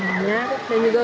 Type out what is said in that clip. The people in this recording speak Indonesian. dan juga untuk kebun raya